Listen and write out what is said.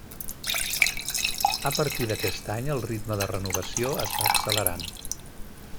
A partir d'aquest any el ritme de renovació es va accelerant.